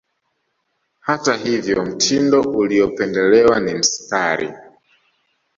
Hata hivyo mtindo uliopendelewa ni mistari